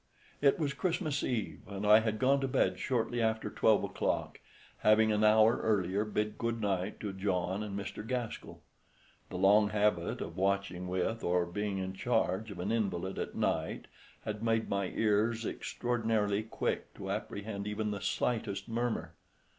It was Christmas Eve, and I had gone to bed shortly after twelve o'clock, having an hour earlier bid good night to John and Mr. Gaskell. The long habit of watching with, or being in charge of an invalid at night, had made my ears extraordinarily quick to apprehend even the slightest murmur.